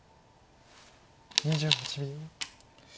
２８秒。